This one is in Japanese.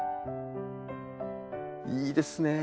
いいですね。